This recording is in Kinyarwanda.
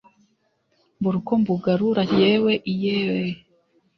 mbura uko mbugarura yewee iyeeeh